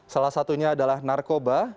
salah satunya adalah narkoba